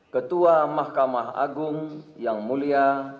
ketua mahkamah agung yang mulia